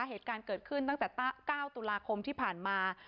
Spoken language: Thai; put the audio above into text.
เหตุการณ์เกิดขึ้นตั้งแต่๙ตุลาคมที่ผ่านมา